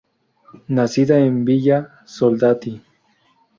Nacida en Villa Soldati.